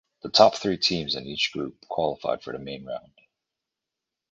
The top three teams in each group qualified for the main round.